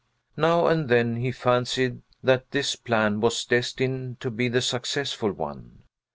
Now and then he fancied that this plan was destined to be the successful one.